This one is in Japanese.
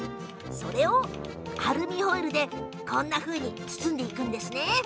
それをアルミホイルで包んでいくんですね。